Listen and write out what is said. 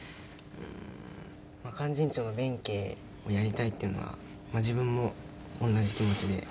『勧進帳』の弁慶をやりたいっていうのは自分も同じ気持ちで。